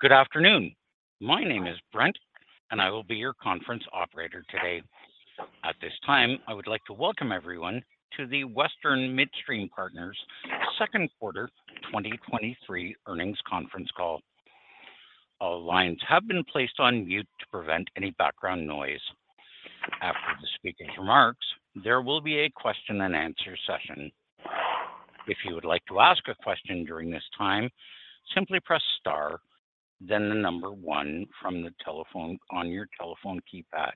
Good afternoon. My name is Brent, and I will be your conference operator today. At this time, I would like to welcome everyone to the Western Midstream Partners second quarter 2023 earnings conference call. All lines have been placed on mute to prevent any background noise. After the speaking remarks, there will be a question-and-answer session. If you would like to ask a question during this time, simply press star, then the number one from the telephone on your telephone keypad.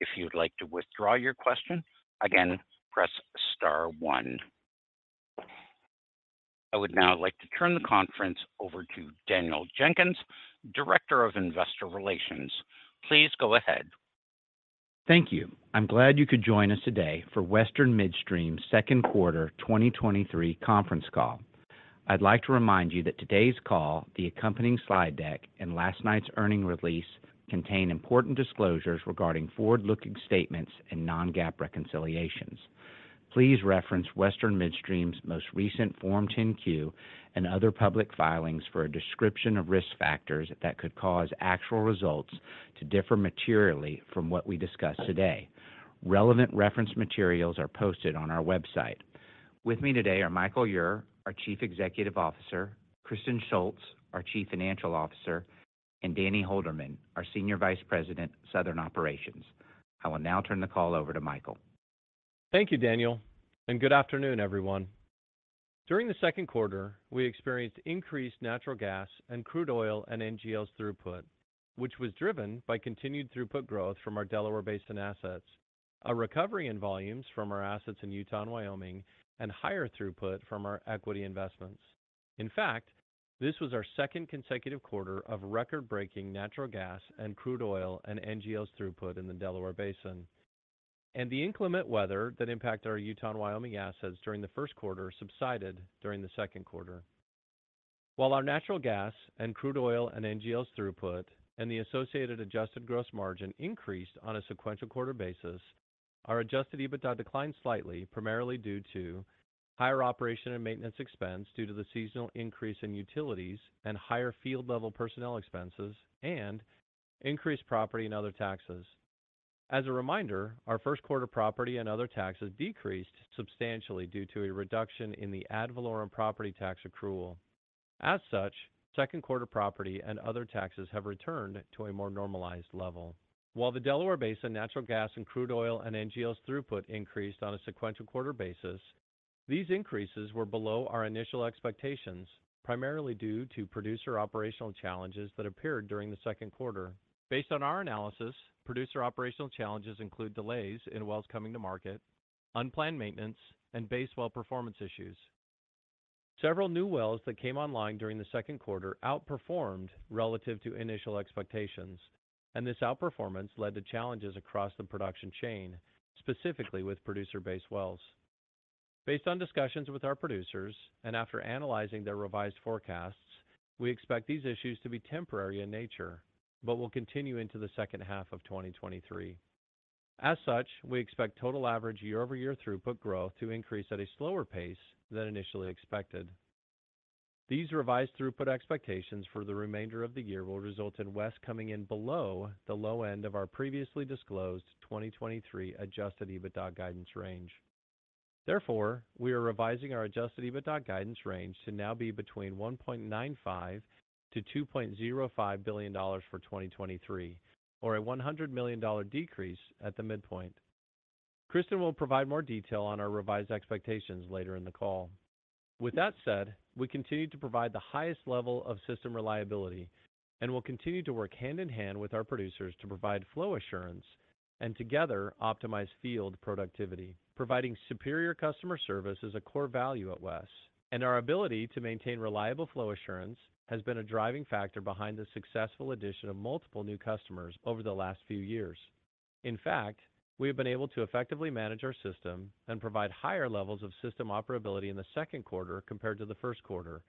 If you'd like to withdraw your question, again, press star one. I would now like to turn the conference over to Daniel Jenkins, Director of Investor Relations. Please go ahead. Thank you. I'm glad you could join us today for Western Midstream 2nd quarter 2023 conference call. I'd like to remind you that today's call, the accompanying slide deck, and last night's earnings release contain important disclosures regarding forward-looking statements and non-GAAP reconciliations. Please reference Western Midstream's most recent Form 10-Q and other public filings for a description of risk factors that could cause actual results to differ materially from what we discuss today. Relevant reference materials are posted on our website. With me today are Michael Ure, our Chief Executive Officer, Kristen Shults, our Chief Financial Officer, and Danny Holderman, our Senior Vice President, Southern Operations. I will now turn the call over to Michael. Thank you, Daniel. Good afternoon, everyone. During the second quarter, we experienced increased natural gas and crude oil and NGLs throughput, which was driven by continued throughput growth from our Delaware Basin assets, a recovery in volumes from our assets in Utah and Wyoming, and higher throughput from our equity investments. In fact, this was our second consecutive quarter of record-breaking natural gas and crude oil and NGLs throughput in the Delaware Basin. The inclement weather that impacted our Utah and Wyoming assets during the first quarter subsided during the second quarter. While our natural gas and crude oil and NGLs throughput and the associated adjusted gross margin increased on a sequential quarter basis, our Adjusted EBITDA declined slightly, primarily due to higher operation and maintenance expense due to the seasonal increase in utilities and higher field-level personnel expenses and increased property and other taxes. As a reminder, our first quarter property and other taxes decreased substantially due to a reduction in the ad valorem property tax accrual. As such, second quarter property and other taxes have returned to a more normalized level. While the Delaware Basin natural gas and crude oil and NGLs throughput increased on a sequential quarter basis, these increases were below our initial expectations, primarily due to producer operational challenges that appeared during the second quarter. Based on our analysis, producer operational challenges include delays in wells coming to market, unplanned maintenance, and base well performance issues. Several new wells that came online during the second quarter outperformed relative to initial expectations, and this outperformance led to challenges across the production chain, specifically with producer-based wells. Based on discussions with our producers and after analyzing their revised forecasts, we expect these issues to be temporary in nature, but will continue into the second half of 2023. As such, we expect total average year-over-year throughput growth to increase at a slower pace than initially expected. These revised throughput expectations for the remainder of the year will result in WES coming in below the low end of our previously disclosed 2023 Adjusted EBITDA guidance range. We are revising our Adjusted EBITDA guidance range to now be between $1.95 billion-$2.05 billion for 2023, or a $100 million decrease at the midpoint. Kristen will provide more detail on our revised expectations later in the call. With that said, we continue to provide the highest level of system reliability and will continue to work hand in hand with our producers to provide flow assurance and together optimize field productivity. Providing superior customer service is a core value at WES, and our ability to maintain reliable flow assurance has been a driving factor behind the successful addition of multiple new customers over the last few years. In fact, we have been able to effectively manage our system and provide higher levels of system operability in the second quarter compared to the first quarter,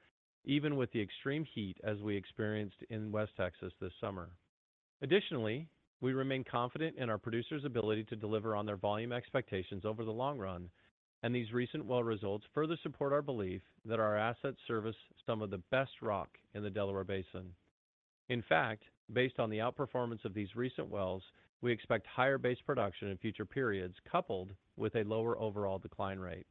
even with the extreme heat as we experienced in West Texas this summer. Additionally, we remain confident in our producers' ability to deliver on their volume expectations over the long run, and these recent well results further support our belief that our assets service some of the best rock in the Delaware Basin. In fact, based on the outperformance of these recent wells, we expect higher base production in future periods, coupled with a lower overall decline rate.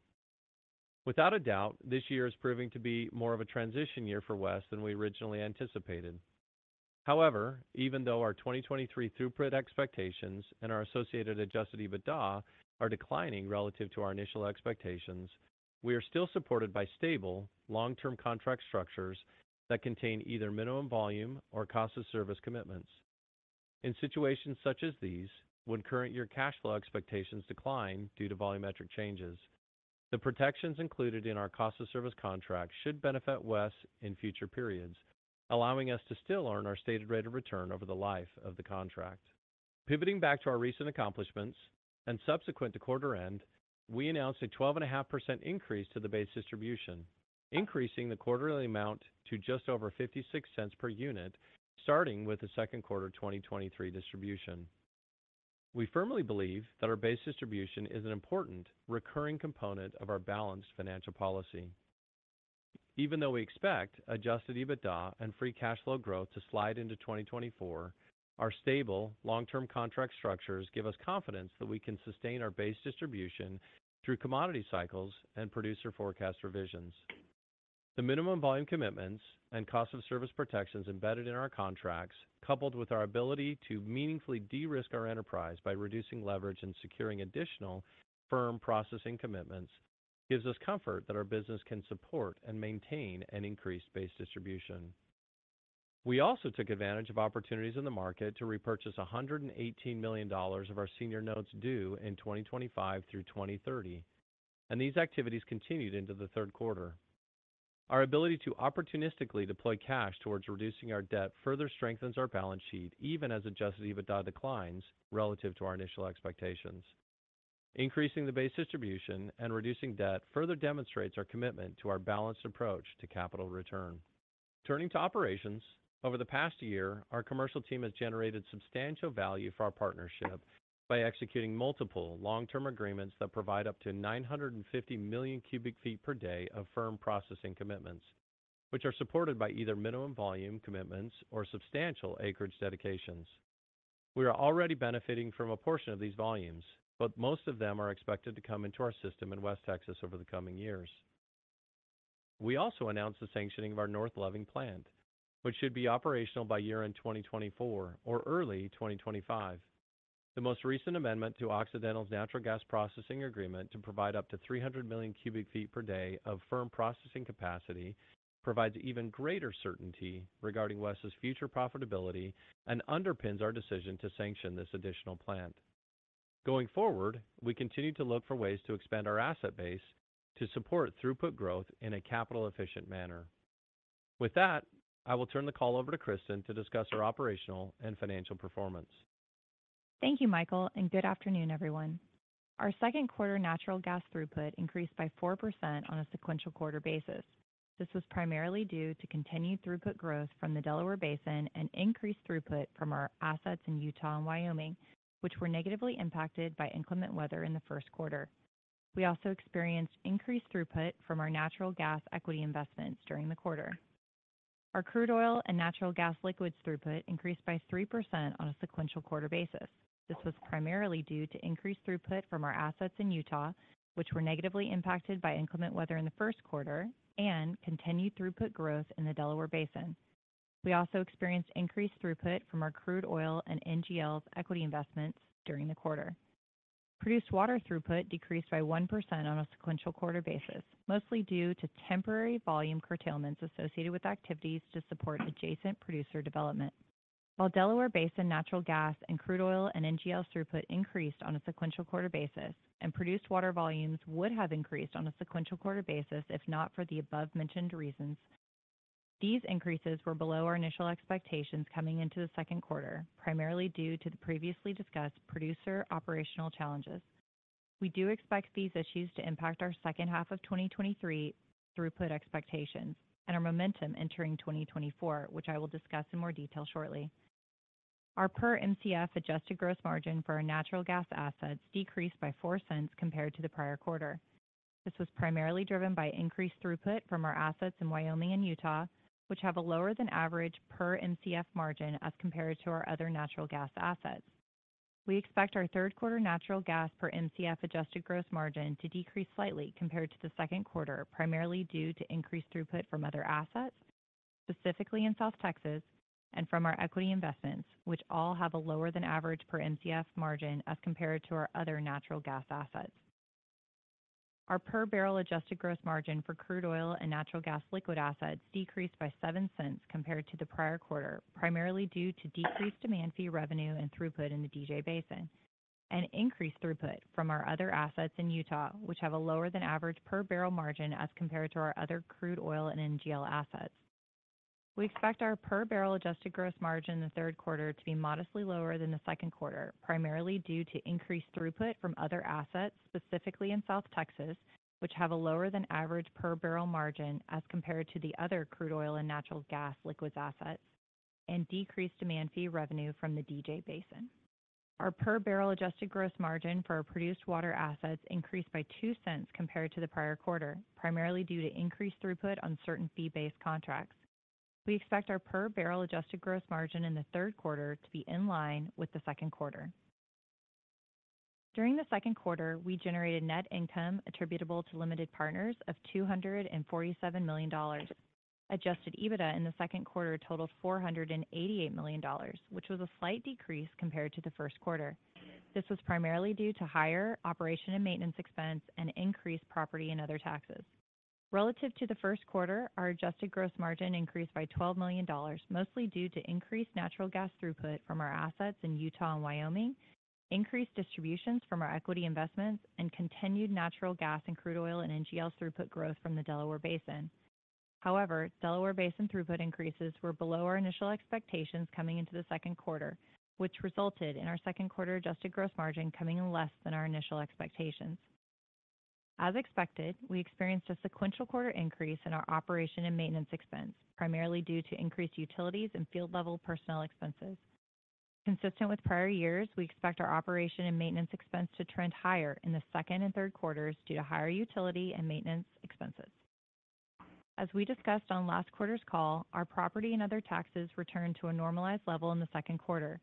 Without a doubt, this year is proving to be more of a transition year for WES than we originally anticipated. Even though our 2023 throughput expectations and our associated Adjusted EBITDA are declining relative to our initial expectations, we are still supported by stable, long-term contract structures that contain either minimum volume or cost of service commitments. In situations such as these, when current year cash flow expectations decline due to volumetric changes, the protections included in our cost-of-service contract should benefit WES in future periods, allowing us to still earn our stated rate of return over the life of the contract. Pivoting back to our recent accomplishments and subsequent to quarter end, we announced a 12.5% increase to the base distribution, increasing the quarterly amount to just over $0.56 per unit, starting with the second quarter 2023 distribution. We firmly believe that our base distribution is an important recurring component of our balanced financial policy. Even though we expect Adjusted EBITDA and free cash flow growth to slide into 2024, our stable long-term contract structures give us confidence that we can sustain our base distribution through commodity cycles and producer forecast revisions. The minimum volume commitments and cost of service protections embedded in our contracts, coupled with our ability to meaningfully de-risk our enterprise by reducing leverage and securing additional firm processing commitments, gives us comfort that our business can support and maintain an increased base distribution. We also took advantage of opportunities in the market to repurchase $118 million of our senior notes due in 2025 through 2030. These activities continued into the third quarter. Our ability to opportunistically deploy cash towards reducing our debt further strengthens our balance sheet, even as Adjusted EBITDA declines relative to our initial expectations. Increasing the base distribution and reducing debt further demonstrates our commitment to our balanced approach to capital return. Turning to operations. Over the past year, our commercial team has generated substantial value for our partnership by executing multiple long-term agreements that provide up to 950 million cu ft per day of firm processing commitments, which are supported by either minimum volume commitments or substantial acreage dedications. We are already benefiting from a portion of these volumes, but most of them are expected to come into our system in West Texas over the coming years. We also announced the sanctioning of our North Loving Plant, which should be operational by year end, 2024 or early 2025. The most recent amendment to Occidental's natural gas processing agreement to provide up to 300 million cu ft per day of firm processing capacity, provides even greater certainty regarding WES's future profitability and underpins our decision to sanction this additional plant. Going forward, we continue to look for ways to expand our asset base to support throughput growth in a capital efficient manner. With that, I will turn the call over to Kristen to discuss our operational and financial performance. Thank you, Michael, and good afternoon, everyone. Our second quarter natural gas throughput increased by 4% on a sequential quarter basis. This was primarily due to continued throughput growth from the Delaware Basin and increased throughput from our assets in Utah and Wyoming, which were negatively impacted by inclement weather in the first quarter. We also experienced increased throughput from our natural gas equity investments during the quarter. Our crude oil and natural gas liquids throughput increased by 3% on a sequential quarter basis. This was primarily due to increased throughput from our assets in Utah, which were negatively impacted by inclement weather in the first quarter and continued throughput growth in the Delaware Basin. We also experienced increased throughput from our crude oil and NGLs equity investments during the quarter. Produced water throughput decreased by 1% on a sequential quarter basis, mostly due to temporary volume curtailments associated with activities to support adjacent producer development. While Delaware Basin natural gas and crude oil and NGL throughput increased on a sequential quarter basis and produced water volumes would have increased on a sequential quarter basis if not for the above-mentioned reasons. These increases were below our initial expectations coming into the second quarter, primarily due to the previously discussed producer operational challenges. We do expect these issues to impact our second half of 2023 throughput expectations and our momentum entering 2024, which I will discuss in more detail shortly. Our per Mcf adjusted gross margin for our natural gas assets decreased by $0.04 compared to the prior quarter. This was primarily driven by increased throughput from our assets in Wyoming and Utah, which have a lower than average per Mcf margin as compared to our other natural gas assets. We expect our third quarter natural gas per Mcf adjusted gross margin to decrease slightly compared to the second quarter, primarily due to increased throughput from other assets, specifically in South Texas and from our equity investments, which all have a lower than average per Mcf margin as compared to our other natural gas assets. Our per barrel adjusted gross margin for crude oil and natural gas liquid assets decreased by $0.07 compared to the prior quarter, primarily due to decreased demand fee revenue and throughput in the D-J Basin and increased throughput from our other assets in Utah, which have a lower than average per barrel margin as compared to our other crude oil and NGL assets. We expect our per barrel adjusted gross margin in the third quarter to be modestly lower than the second quarter, primarily due to increased throughput from other assets, specifically in South Texas, which have a lower than average per barrel margin as compared to the other crude oil and natural gas liquids assets, and decreased demand fee revenue from the D-J Basin. Our per barrel adjusted gross margin for our produced water assets increased by $0.02 compared to the prior quarter, primarily due to increased throughput on certain fee-based contracts. We expect our per barrel adjusted gross margin in the third quarter to be in line with the second quarter. During the second quarter, we generated net income attributable to limited partners of $247 million. Adjusted EBITDA in the second quarter totaled $488 million, which was a slight decrease compared to the first quarter. This was primarily due to higher operation and maintenance expense and increased property in other taxes. Relative to the first quarter, our adjusted gross margin increased by $12 million, mostly due to increased natural gas throughput from our assets in Utah and Wyoming, increased distributions from our equity investments, and continued natural gas and crude oil and NGLs throughput growth from the Delaware Basin. Delaware Basin throughput increases were below our initial expectations coming into the second quarter, which resulted in our second quarter adjusted gross margin coming in less than our initial expectations. As expected, we experienced a sequential quarter increase in our operation and maintenance expense, primarily due to increased utilities and field level personnel expenses. Consistent with prior years, we expect our operation and maintenance expense to trend higher in the second and third quarters due to higher utility and maintenance expenses. As we discussed on last quarter's call, our property and other taxes returned to a normalized level in the second quarter,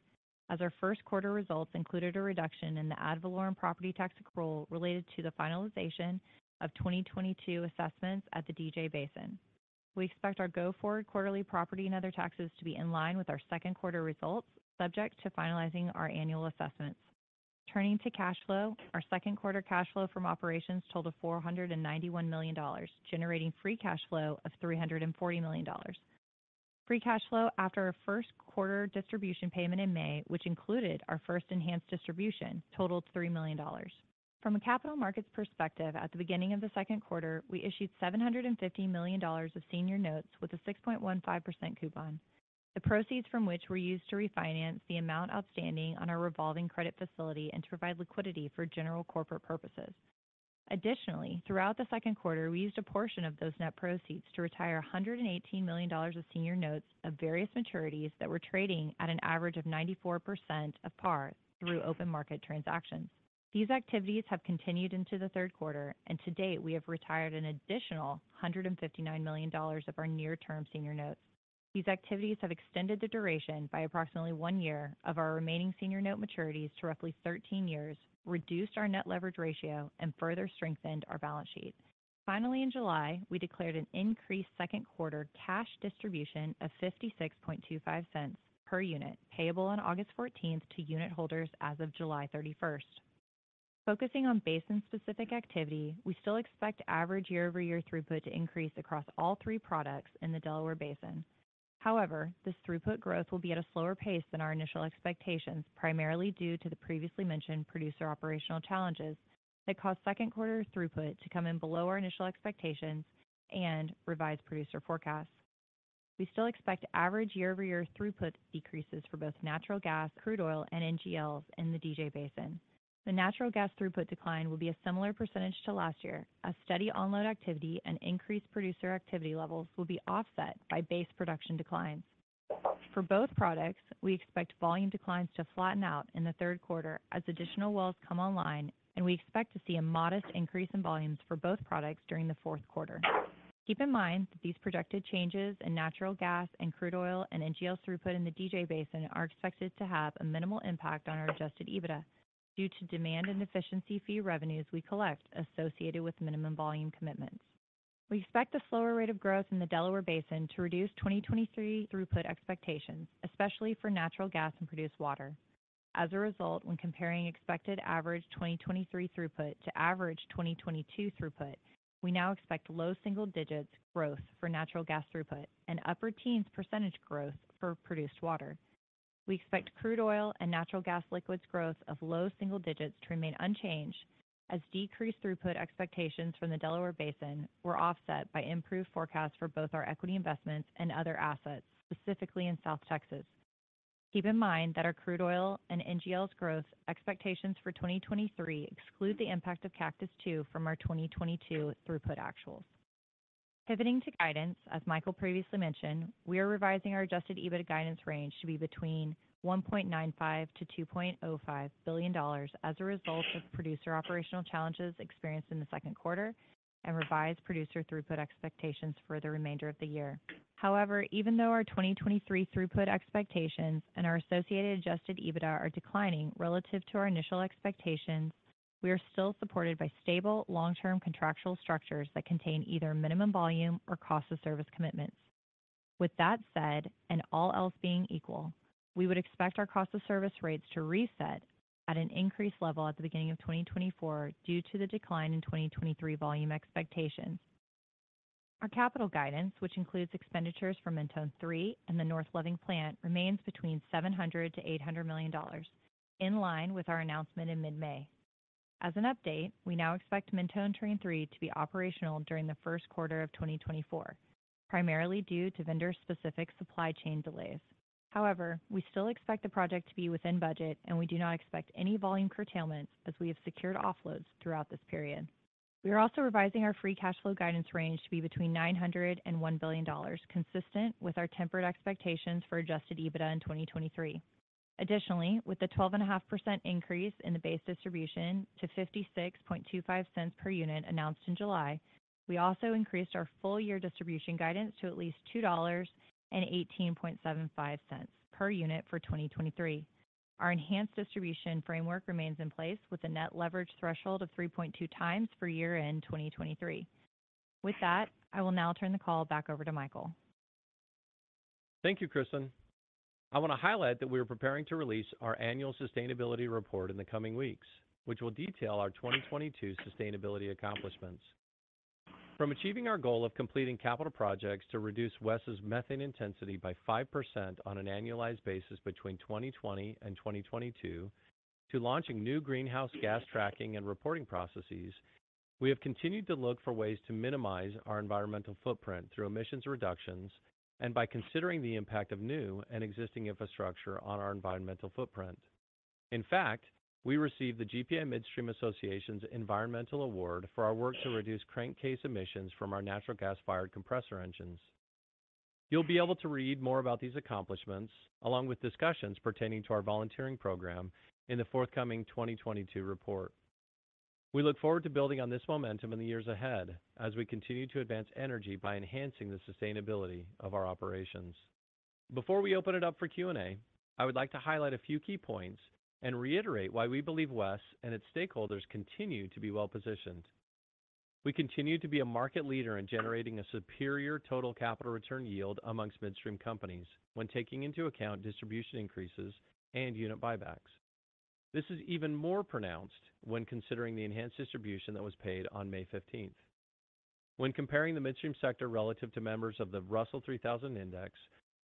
as our first quarter results included a reduction in the ad valorem property tax accrual related to the finalization of 2022 assessments at the D-J Basin. We expect our go-forward quarterly property and other taxes to be in line with our second quarter results, subject to finalizing our annual assessments. Turning to cash flow, our second quarter cash flow from operations totaled $491 million, generating free cash flow of $340 million. Free cash flow after our first quarter distribution payment in May, which included our first Enhanced Distribution, totaled $3 million. From a capital markets perspective, at the beginning of the second quarter, we issued $750 million of senior notes with a 6.15% coupon. The proceeds from which were used to refinance the amount outstanding on our revolving credit facility and to provide liquidity for general corporate purposes. Additionally, throughout the second quarter, we used a portion of those net proceeds to retire $118 million of senior notes of various maturities that were trading at an average of 94% of par through open market transactions. These activities have continued into the third quarter. To date, we have retired an additional $159 million of our near-term senior notes. These activities have extended the duration by approximately one year of our remaining senior note maturities to roughly 13 years, reduced our net leverage ratio, and further strengthened our balance sheet. Finally, in July, we declared an increased second quarter cash distribution of $0.5625 per unit, payable on August 14th to unitholders as of July 31st. Focusing on basin-specific activity, we still expect average year-over-year throughput to increase across all three products in the Delaware Basin. However, this throughput growth will be at a slower pace than our initial expectations, primarily due to the previously mentioned producer operational challenges that caused second quarter throughput to come in below our initial expectations and revised producer forecasts. We still expect average year-over-year throughput decreases for both natural gas, crude oil, and NGLs in the D-J Basin. The natural gas throughput decline will be a similar percentage to last year. A steady unload activity and increased producer activity levels will be offset by base production declines. For both products, we expect volume declines to flatten out in the third quarter as additional wells come online, and we expect to see a modest increase in volumes for both products during the fourth quarter. Keep in mind that these projected changes in natural gas and crude oil and NGL throughput in the D-J Basin are expected to have a minimal impact on our adjusted EBITDA due to demand and deficiency fee revenues we collect associated with minimum volume commitments. We expect a slower rate of growth in the Delaware Basin to reduce 2023 throughput expectations, especially for natural gas and produced water. As a result, when comparing expected average 2023 throughput to average 2022 throughput, we now expect low single-digit growth for natural gas throughput and upper-teens percentage growth for produced water. We expect crude oil and natural gas liquids growth of low single-digits to remain unchanged, as decreased throughput expectations from the Delaware Basin were offset by improved forecasts for both our equity investments and other assets, specifically in South Texas. Keep in mind that our crude oil and NGLs growth expectations for 2023 exclude the impact of Cactus II from our 2022 throughput actuals. Pivoting to guidance, as Michael previously mentioned, we are revising our Adjusted EBITDA guidance range to be between $1.95 billion-$2.05 billion as a result of producer operational challenges experienced in the second quarter and revised producer throughput expectations for the remainder of the year. Even though our 2023 throughput expectations and our associated Adjusted EBITDA are declining relative to our initial expectations, we are still supported by stable, long-term contractual structures that contain either minimum volume or cost of service commitments. With that said, and all else being equal, we would expect our cost of service rates to reset at an increased level at the beginning of 2024 due to the decline in 2023 volume expectations. Our capital guidance, which includes expenditures for Mentone III and the North Loving Plant, remains between $700 million-$800 million, in line with our announcement in mid-May. As an update, we now expect Mentone Train III to be operational during the first quarter of 2024, primarily due to vendor-specific supply chain delays. We still expect the project to be within budget, and we do not expect any volume curtailment as we have secured offloads throughout this period. We are also revising our free cash flow guidance range to be between $900 million and $1 billion, consistent with our tempered expectations for Adjusted EBITDA in 2023. Additionally, with the 12.5% increase in the base distribution to $0.5625 per unit announced in July, we also increased our full year distribution guidance to at least $2.1875 per unit for 2023. Our Enhanced Distribution framework remains in place with a net leverage threshold of 3.2x for year-end 2023. With that, I will now turn the call back over to Michael. Thank you, Kristen. I want to highlight that we are preparing to release our annual sustainability report in the coming weeks, which will detail our 2022 sustainability accomplishments. From achieving our goal of completing capital projects to reduce WES's methane intensity by 5% on an annualized basis between 2020 and 2022, to launching new greenhouse gas tracking and reporting processes, we have continued to look for ways to minimize our environmental footprint through emissions reductions and by considering the impact of new and existing infrastructure on our environmental footprint. In fact, we received the GPA Midstream Association's Environmental Award for our work to reduce crankcase emissions from our natural gas-fired compressor engines. You'll be able to read more about these accomplishments, along with discussions pertaining to our volunteering program, in the forthcoming 2022 report. We look forward to building on this momentum in the years ahead as we continue to advance energy by enhancing the sustainability of our operations. Before we open it up for Q&A, I would like to highlight a few key points and reiterate why we believe WES and its stakeholders continue to be well-positioned. We continue to be a market leader in generating a superior total capital return yield amongst midstream companies when taking into account distribution increases and unit buybacks. This is even more pronounced when considering the Enhanced Distribution that was paid on May 15th. When comparing the midstream sector relative to members of the Russell 3000 Index,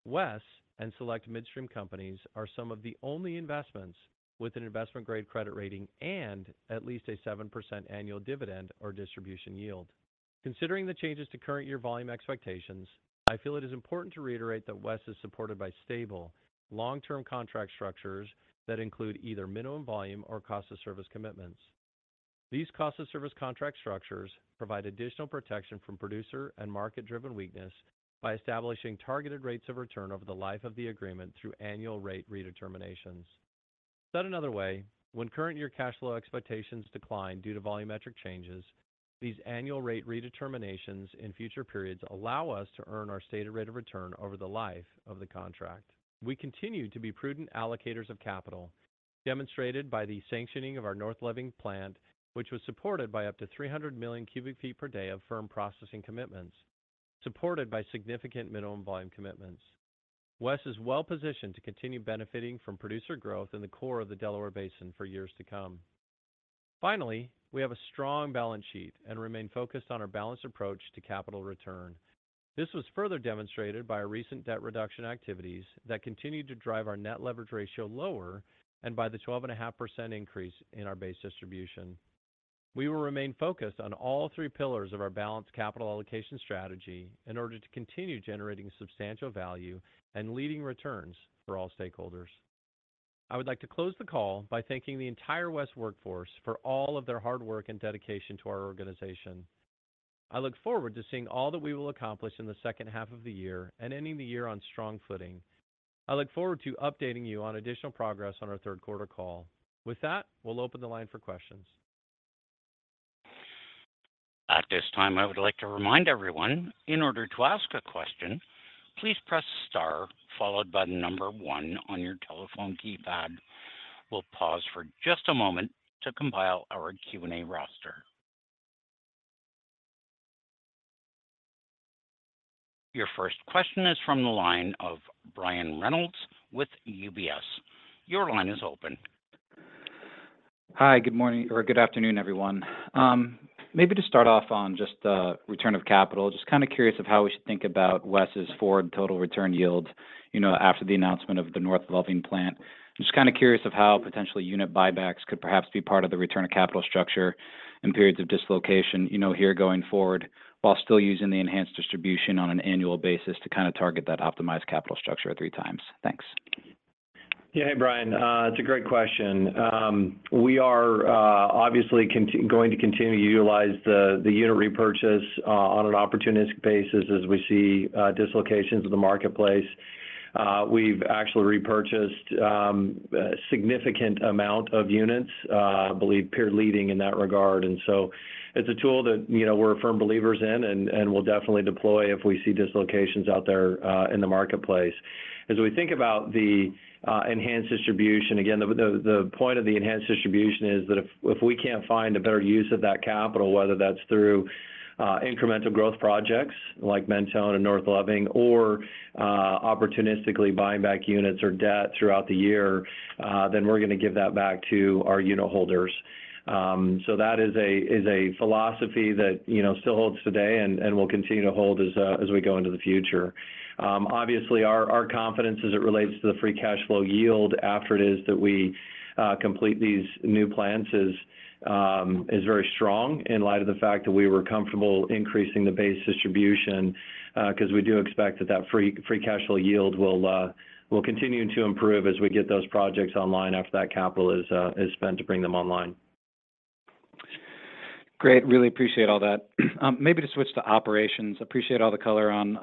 WES and select midstream companies are some of the only investments with an investment-grade credit rating and at least a 7% annual dividend or distribution yield. Considering the changes to current year volume expectations, I feel it is important to reiterate that WES is supported by stable, long-term contract structures that include either minimum volume or cost of service commitments. These cost of service contract structures provide additional protection from producer and market-driven weakness by establishing targeted rates of return over the life of the agreement through annual rate redeterminations. Said another way, when current year cash flow expectations decline due to volumetric changes, these annual rate redeterminations in future periods allow us to earn our stated rate of return over the life of the contract. We continue to be prudent allocators of capital, demonstrated by the sanctioning of our North Loving Plant, which was supported by up to 300 million cu ft per day of firm processing commitments, supported by significant minimum volume commitments. WES is well positioned to continue benefiting from producer growth in the core of the Delaware Basin for years to come. Finally, we have a strong balance sheet and remain focused on our balanced approach to capital return. This was further demonstrated by our recent debt reduction activities that continued to drive our net leverage ratio lower and by the 12.5% increase in our base distribution. We will remain focused on all three pillars of our balanced capital allocation strategy in order to continue generating substantial value and leading returns for all stakeholders. I would like to close the call by thanking the entire WES workforce for all of their hard work and dedication to our organization. I look forward to seeing all that we will accomplish in the second half of the year and ending the year on strong footing. I look forward to updating you on additional progress on our third quarter call. With that, we'll open the line for questions. At this time, I would like to remind everyone, in order to ask a question, please press star followed by the one on your telephone keypad. We'll pause for just a moment to compile our Q&A roster. Your first question is from the line of Brian Reynolds with UBS. Your line is open. Hi, good morning or good afternoon, everyone. Maybe to start off on just the return of capital, just kind of curious of how we should think about WES's forward total return yield, you know, after the announcement of the North Loving Plant. Just kind of curious of how potentially unit buybacks could perhaps be part of the return of capital structure in periods of dislocation, you know, here going forward, while still using the Enhanced Distribution on an annual basis to kind of target that optimized capital structure at three times. Thanks. Yeah. Hey, Brian, it's a great question. We are obviously going to continue to utilize the unit repurchase on an opportunistic basis as we see dislocations in the marketplace. We've actually repurchased a significant amount of units, I believe peer leading in that regard. It's a tool that, you know, we're firm believers in and we'll definitely deploy if we see dislocations out there in the marketplace. As we think about the Enhanced Distribution, again, the point of the Enhanced Distribution is that if we can't find a better use of that capital, whether that's through incremental growth projects like Mentone and North Loving or opportunistically buying back units or debt throughout the year, then we're gonna give that back to our unitholders. That is a, is a philosophy that, you know, still holds today and, and will continue to hold as we go into the future. Obviously, our, our confidence as it relates to the free cash flow yield after it is that we complete these new plants is very strong in light of the fact that we were comfortable increasing the base distribution, 'cause we do expect that that free, free cash flow yield will continue to improve as we get those projects online after that capital is spent to bring them online. Great. Really appreciate all that. Maybe to switch to operations. Appreciate all the color on,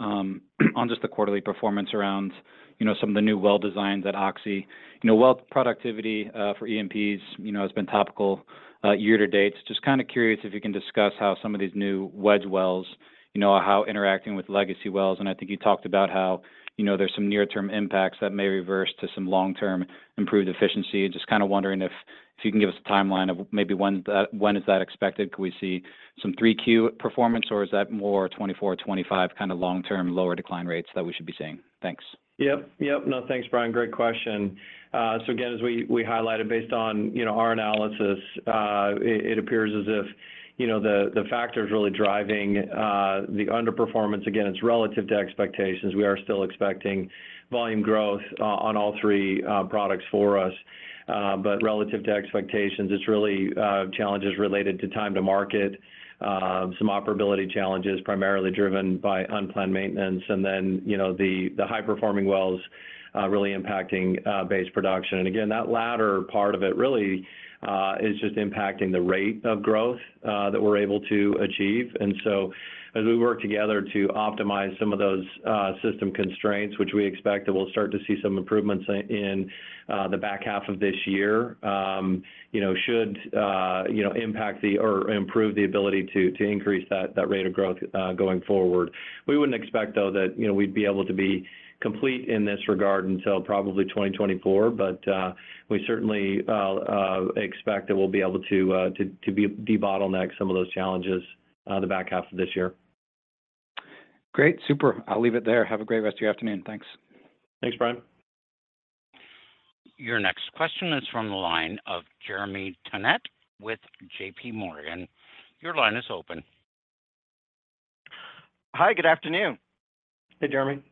on just the quarterly performance around, you know, some of the new well designs at Oxy. You know, well productivity for E&Ps, you know, has been topical year to date. Just kind of curious if you can discuss how some of these new wedge wells, you know, how interacting with legacy wells... I think you talked about how, you know, there's some near-term impacts that may reverse to some long-term improved efficiency. Just kind of wondering if, if you can give us a timeline of maybe when that-- when is that expected. Could we see some 3Q performance, or is that more 2024, 2025 kind of long-term, lower decline rates that we should be seeing? Thanks. Yep, No, thanks, Brian. Great question. So again, as we highlighted, based on, you know, our analysis, it appears as if, you know, the, the factors really driving the underperformance, again, it's relative to expectations. We are still expecting volume growth on all three products for us. But relative to expectations, it's really challenges related to time to market, some operability challenges, primarily driven by unplanned maintenance, and then, you know, the, the high-performing wells really impacting base production. Again, that latter part of it really is just impacting the rate of growth that we're able to achieve. As we work together to optimize some of those system constraints, which we expect that we'll start to see some improvements in, in the back half of this year, you know, should, you know, impact or improve the ability to, to increase that, that rate of growth going forward. We wouldn't expect, though, that, you know, we'd be able to be complete in this regard until probably 2024. We certainly expect that we'll be able to, to debottleneck some of those challenges the back half of this year. Great. Super. I'll leave it there. Have a great rest of your afternoon. Thanks. Thanks, Brian. Your next question is from the line of Jeremy Tonet with JPMorgan. Your line is open. Hi, good afternoon. Hey, Jeremy.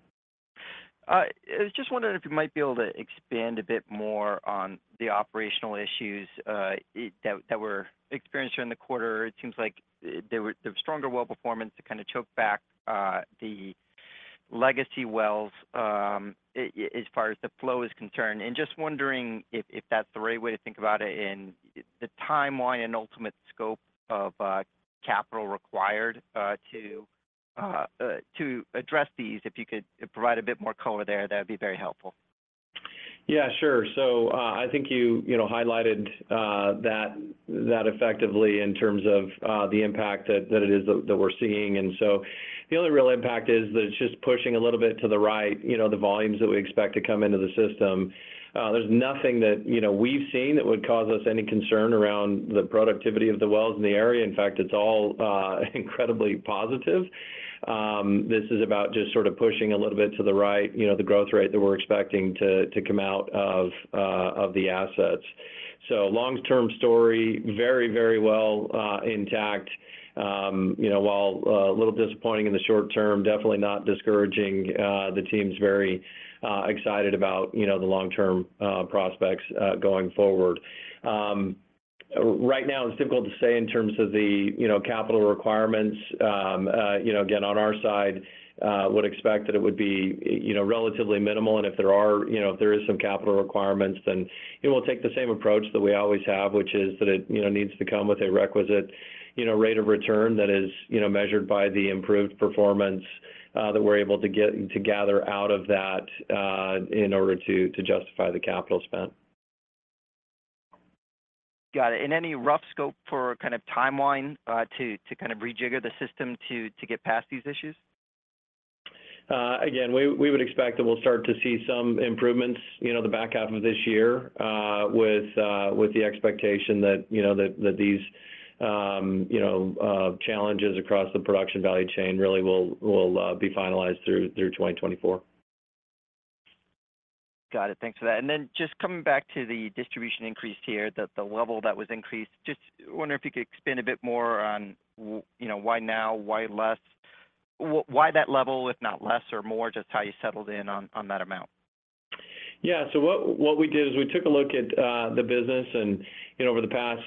I was just wondering if you might be able to expand a bit more on the operational issues that were experienced during the quarter. It seems like the stronger well performance to kind of choke back the legacy wells as far as the flow is concerned. Just wondering if that's the right way to think about it, and the timeline and ultimate scope of capital required to address these. If you could provide a bit more color there, that'd be very helpful. Yeah, sure. I think, you know, highlighted, that effectively in terms of, the impact that it is, that we're seeing. The only real impact is that it's just pushing a little bit to the right, you know, the volumes that we expect to come into the system. There's nothing that, you know, we've seen that would cause us any concern around the productivity of the wells in the area. In fact, it's all, incredibly positive. This is about just sort of pushing a little bit to the right, you know, the growth rate that we're expecting to come out of the assets. Long-term story, very, very well, intact. You know, while, a little disappointing in the short term, definitely not discouraging. The team's very excited about, you know, the long-term prospects going forward. Right now, it's difficult to say in terms of the, you know, capital requirements. You know, again, on our side, would expect that it would be, you know, relatively minimal. If there are, you know, if there is some capital requirements, then it will take the same approach that we always have, which is that it, you know, needs to come with a requisite, you know, rate of return that is, you know, measured by the improved performance that we're able to gather out of that, in order to justify the capital spent. Got it. Any rough scope for kind of timeline, to kind of rejigger the system to get past these issues? Again, we, we would expect that we'll start to see some improvements, you know, the back half of this year, with, with the expectation that, you know, that, that these, you know, challenges across the production value chain really will, will, be finalized through, through 2024. Got it. Thanks for that. Then just coming back to the distribution increase here, the, the level that was increased, just wonder if you could expand a bit more on you know, why now, why less, why that level, if not less or more, just how you settled in on that amount? Yeah. What, what we did is we took a look at the business. You know, over the past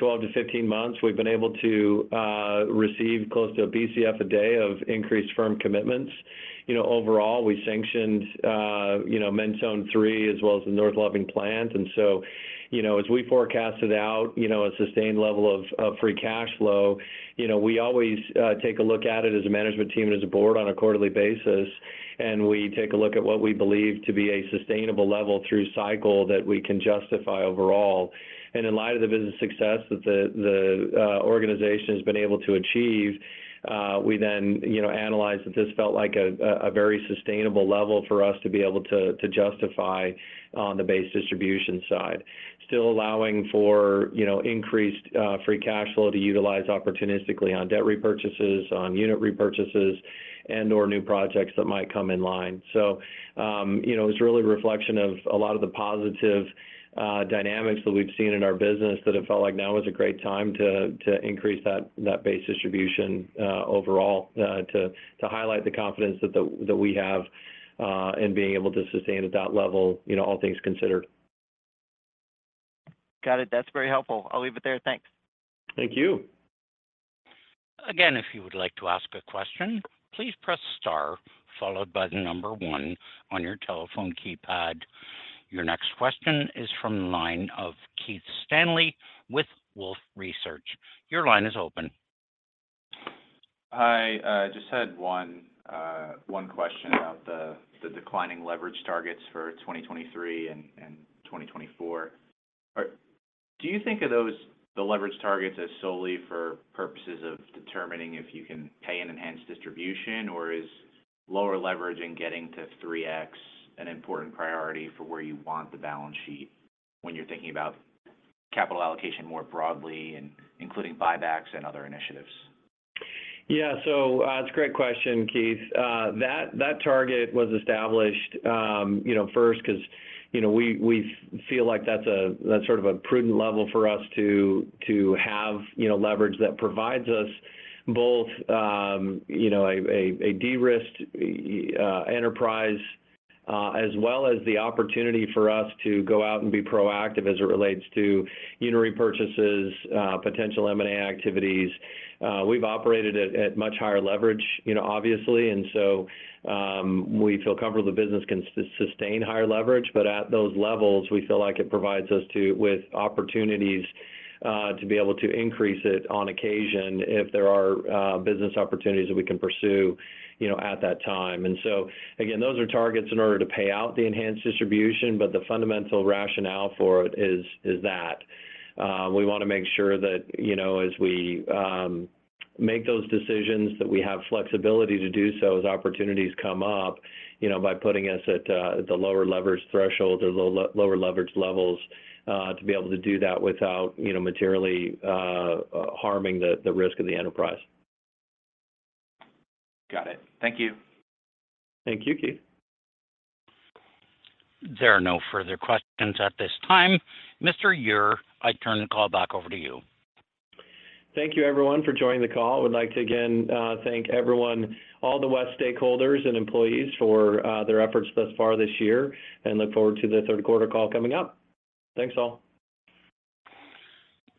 12-15 months, we've been able to receive close to a BCF a day of increased firm commitments. You know, overall, we sanctioned, you know, Mentone III, as well as the North Loving Plant. You know, as we forecast it out, you know, a sustained level of, of free cash flow, you know, we always take a look at it as a management team and as a board on a quarterly basis, and we take a look at what we believe to be a sustainable level through cycle that we can justify overall. In light of the business success that the organization has been able to achieve, we then, you know, analyzed that this felt like a very sustainable level for us to be able to justify on the base distribution side. Still allowing for, you know, increased free cash flow to utilize opportunistically on debt repurchases, on unit repurchases, and/or new projects that might come in line. You know, it's really a reflection of a lot of the positive dynamics that we've seen in our business, that it felt like now is a great time to increase that, that base distribution overall to highlight the confidence that we have in being able to sustain at that level, you know, all things considered. Got it. That's very helpful. I'll leave it there. Thanks. Thank you. Again, if you would like to ask a question, please press star, followed by the number one on your telephone keypad. Your next question is from the line of Keith Stanley with Wolfe Research. Your line is open. Hi. I just had one, one question about the declining leverage targets for 2023 and 2024. Do you think of those, the leverage targets, as solely for purposes of determining if you can pay an Enhanced Distribution, or is lower leverage in getting to 3x an important priority for where you want the balance sheet when you're thinking about capital allocation more broadly, and including buybacks and other initiatives? Yeah. It's a great question, Keith. That target was established, you know, first, because, you know, we feel like that's a that's sort of a prudent level for us to have, you know, leverage that provides us both, you know, a de-risked enterprise, as well as the opportunity for us to go out and be proactive as it relates to unit repurchases, potential M&A activities. We've operated at, at much higher leverage, you know, obviously, we feel comfortable the business can sustain higher leverage, but at those levels, we feel like it provides us to with opportunities to be able to increase it on occasion if there are business opportunities that we can pursue, you know, at that time. Again, those are targets in order to pay out the Enhanced Distribution, but the fundamental rationale for it is that, we want to make sure that, you know, as we make those decisions, that we have flexibility to do so as opportunities come up, you know, by putting us at the lower leverage threshold or lower leverage levels, to be able to do that without, you know, materially harming the risk of the enterprise. Got it. Thank you. Thank you, Keith. There are no further questions at this time. Mr. Ure, I turn the call back over to you. Thank you, everyone, for joining the call. I would like to again, thank everyone, all the WES stakeholders and employees for their efforts thus far this year, and look forward to the third quarter call coming up. Thanks, all.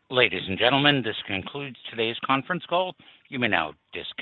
Ladies and gentlemen, this concludes today's conference call. You may now disconnect.